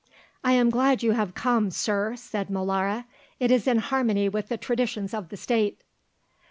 "I am glad you have come, Sir," said Molara; "it is in harmony with the traditions of the State."